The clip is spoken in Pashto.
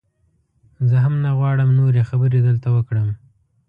زه هم نه غواړم نورې خبرې دلته وکړم.